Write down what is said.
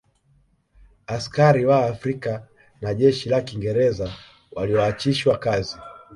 Askari Wa Afrika na jeshi la Kiingereza walioachishwa kazi